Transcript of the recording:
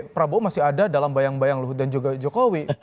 prabowo masih ada dalam bayang bayang luhut dan juga jokowi